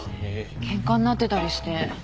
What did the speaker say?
ケンカになってたりして。